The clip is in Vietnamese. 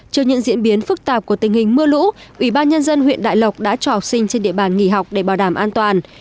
trước những diễn biến phức tạp của tình hình mưa lũ ủy ban nhân dân huyện đại lộc đã cho học sinh trên địa bàn nghỉ học để bảo đảm an toàn